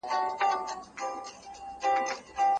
ماشومان له وېرې مه لرزوئ.